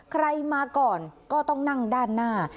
ใครมาก่อนก็ต้องนั่งด้านหน้า